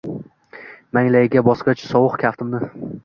Manglayiga bosgach sovuq kaftimni.